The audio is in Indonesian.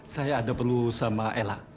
saya ada perlu sama ella